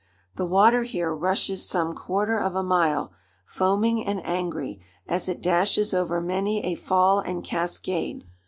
The water here rushes some quarter of a mile, foaming and angry, as it dashes over many a fall and cascade.